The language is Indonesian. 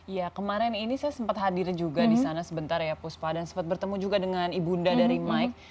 ya kemarin ini saya sempat hadir juga disana sebentar ya puspa dan sempat bertemu juga dengan ibunda dari mike